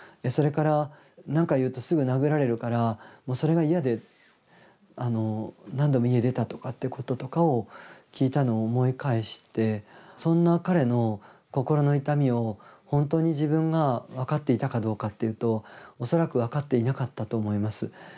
それから何か言うとすぐ殴られるからそれが嫌で何度も家出たとかってこととかを聞いたのを思い返してそんな彼の心の痛みを本当に自分が分かっていたかどうかっていうと恐らく分かっていなかったと思います。